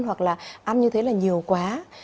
hoặc là ăn như thế là nhiều quá